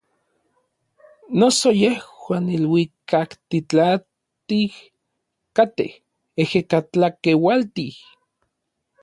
Noso yejuan iluikaktitlantij katej ejekatlakeualtij.